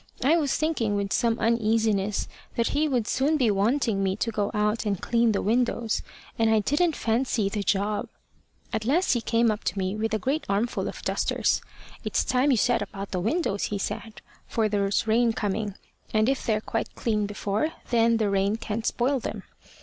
I was thinking with some uneasiness that he would soon be wanting me to go out and clean the windows, and I didn't fancy the job. At last he came up to me with a great armful of dusters. `It's time you set about the windows,' he said; `for there's rain coming, and if they're quite clean before, then the rain can't spoil them.'